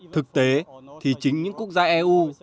thực tế thì chính những quốc gia eu